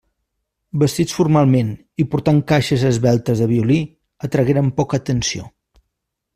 Vestits formalment i portant caixes esveltes de violí, atragueren poca atenció.